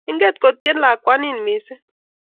Inget kotyen lakwanin missing'